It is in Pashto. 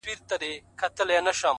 د موخې ثبات د لارې سختي کموي,